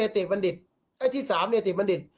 ที่๓ในทีพนดิต